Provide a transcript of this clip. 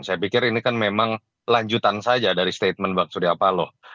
saya pikir ini kan memang lanjutan saja dari statement pak surya paloh